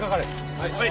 はい。